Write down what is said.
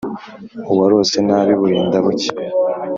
Uwarose nabi burinda bucya.